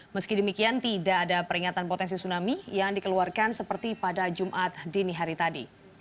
meski demikian tidak ada peringatan potensi tsunami yang dikeluarkan seperti pada jumat dini hari tadi